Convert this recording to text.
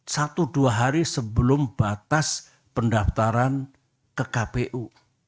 satu dua hari sebelum batas pendaftaran ke kpu